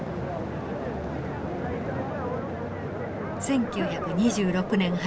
１９２６年８月。